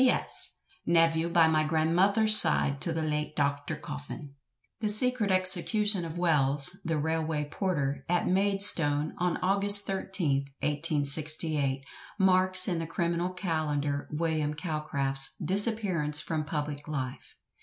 "P.S. Nevyew by my granmuther's side to the late Doctur Coffin." The secret execution of Wells, the railway porter, at Maidstone, on August 13th, 1868, marks in the criminal calendar William Calcraft's disappearance from public life.